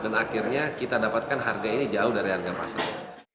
dan akhirnya kita dapatkan harga ini jauh dari harga pasar